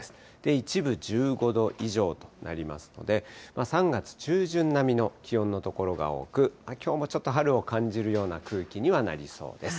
一部１５度以上となりますので、３月中旬並みの気温の所が多く、きょうもちょっと春を感じるような空気にはなりそうです。